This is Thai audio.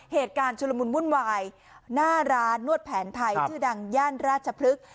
เหตุการณ์ชุดละมุนมุ่นวายหน้าร้านนวดแผนไทยที่ดังย่านราชพลึก